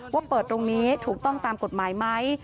ว่าเปิดตรงนี้ถูกต้องตามกฎหมายไหม